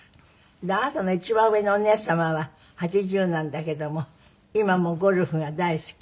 あなたの一番上のお姉様は８０なんだけども今もゴルフが大好き？